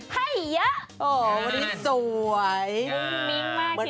ปรานตกแขนว่างสเปน